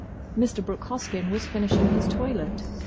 Mr. Brooke Hoskyn was finishing his toilet.